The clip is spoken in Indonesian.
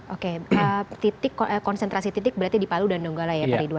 oke titik konsentrasi titik berarti di palu dan donggala ya pak ridwan